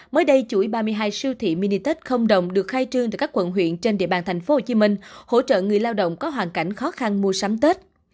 mới đây chuỗi ba mươi hai sưu thị mini tết không đồng được khai trương từ các quận huyện trên địa bàn thành phố hồ chí minh hỗ trợ người lao động có hoàn cảnh khó khăn mua sắm tết